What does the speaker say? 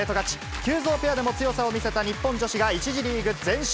急造ペアでも強さを見せた日本女子が１次リーグ全勝。